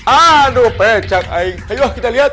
aduh pecah ayo kita lihat